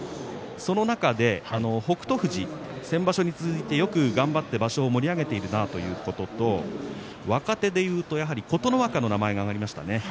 その中で北勝富士先場所に続いてよく場所を盛り上げているなということ若手でいうと琴ノ若の名前が挙がりましたね。